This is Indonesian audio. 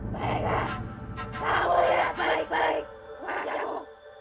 baiklah kamu lihat baik baik wajahmu